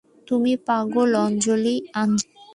তুমি পাগল আঞ্জলি।